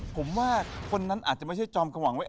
ผมว่าคนนั้นอาจจะไม่ใช่จอมความหวังไว้